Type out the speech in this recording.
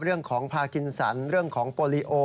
เรื่องของพากินสันเรื่องของโปรลีโอ